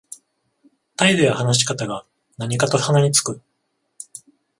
態度や話し方が何かと鼻につく